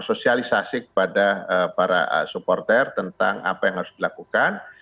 sosialisasi kepada para supporter tentang apa yang harus dilakukan